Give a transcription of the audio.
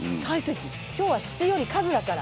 今日は質より数だから。